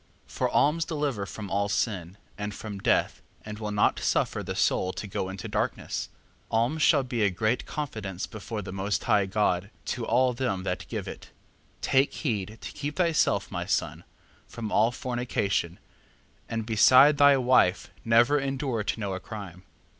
4:11. For alms deliver from all sin, and from death, and will not suffer the soul to go into darkness. 4:12. Alms shall be a great confidence before the most high God, to all them that give it. 4:13. Take heed to keep thyself, my son, from all fornication, and beside thy wife never endure to know a crime.